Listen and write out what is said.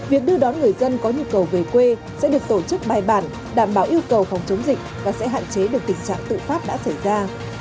việc đưa đón người dân có nhu cầu về quê sẽ được tổ chức bài bản đảm bảo yêu cầu phòng chống dịch và sẽ hạn chế được tình trạng tự phát đã xảy ra